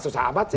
susah amat sih